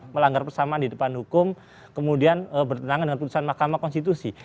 melanggar persamaan di depan hukum kemudian bertentangan dengan putusan mahkamah konstitusi